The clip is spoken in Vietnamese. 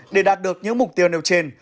để đạt được những mục tiêu nêu trên